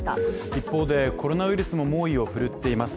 一方でコロナウイルスも猛威を振るっています。